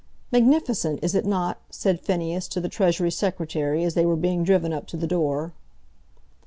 "Magnificent; is it not?" said Phineas to the Treasury Secretary, as they were being driven up to the door.